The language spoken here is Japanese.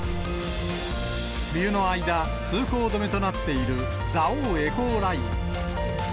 冬の間、通行止めとなっている蔵王エコーライン。